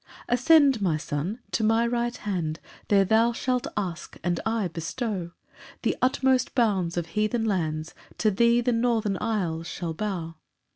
6 "Ascend, my Son, to my right hand, "There thou shalt ask, and I bestow "The utmost bounds of heathen lands; "To thee the northern isles shall bow."